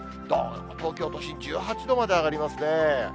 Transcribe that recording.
どーんと、東京都心１８度まで上がりますね。